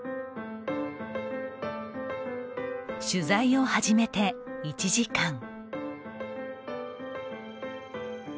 取材を始めて１時間。